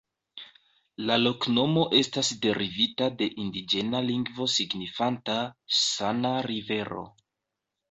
La loknomo estas derivita de indiĝena lingvo signifanta: "sana rivero".